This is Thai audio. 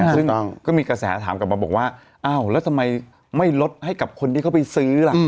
ซึ่งก็มีกระแสถามกลับมาบอกว่าอ้าวแล้วทำไมไม่ลดให้กับคนที่เขาไปซื้อล่ะ